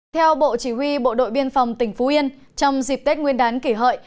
theo bộ chỉ huy bộ đội biên phòng tỉnh phú yên trong dịp tết nguyên đán kỷ hợi